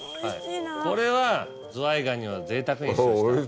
これはズワイガニをぜいたくに使用した。